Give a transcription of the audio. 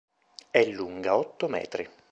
È lunga otto metri.